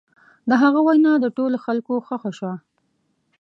د هغه وینا د ټولو خلکو خوښه شوه.